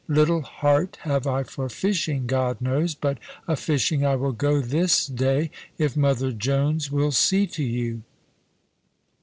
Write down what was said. Little heart have I for fishing, God knows; but a fishing I will go this day, if mother Jones will see to you."